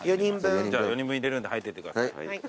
じゃあ４人分入れるんで入っていってください。